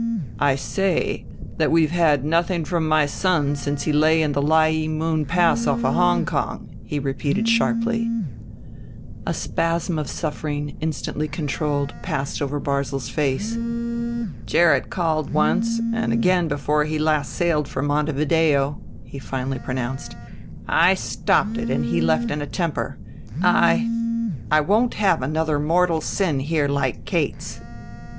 "I say that we've had nothing from my son since he lay in the Lye ee Moon Pass off Hong Kong," he repeated sharply. A spasm of suffering, instantly controlled, passed over Barzil's face. "Gerrit called once and again before he last sailed for Montevideo," he finally pronounced. "I stopped it and he left in a temper. I I won't have another mortal sin here like Kate's."